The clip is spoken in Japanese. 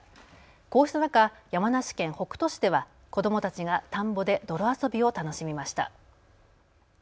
こうした中、山梨県北杜市では子どもたちが田んぼで泥遊びを楽しみました。